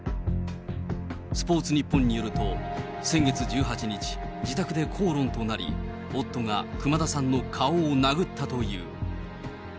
スポーツニッポンによると、先月１８日、自宅で口論となり、夫が熊田さんの顔を殴ったという。